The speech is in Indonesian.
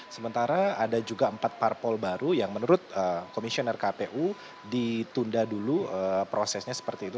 sementara ada juga empat parpol baru yang menurut komisioner kpu ditunda dulu prosesnya seperti itu